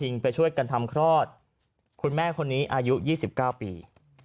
พิงไปช่วยการทำคลอดคุณแม่คนนี้อายุยี่สิบเก้าปี